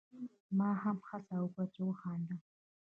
ما هم هڅه وکړه چې وخاندم.